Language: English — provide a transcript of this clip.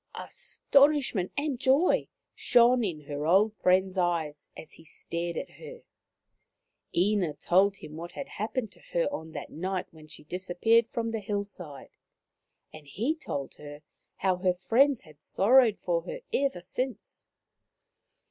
Astonishment and joy shone in her old friend's eyes as he stared at her. Ina told him what had happened to her on that night when she disappeared from the hillside, and he told her how her friends had sorrowed for her ever since.